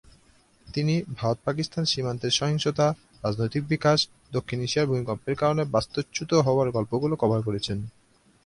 তিনি ভারত-পাকিস্তান সীমান্তের সহিংসতা, রাজনৈতিক বিকাশ, দক্ষিণ এশিয়ায় ভূমিকম্পের কারণে বাস্তুচ্যুত হওয়ার গল্পগুলি কভার করেছেন।